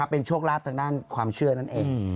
เป็นโชคลาภทางด้านความเชื่อนั่นเอง